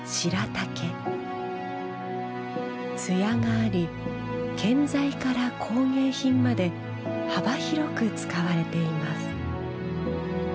艶があり建材から工芸品まで幅広く使われています。